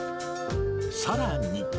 さらに。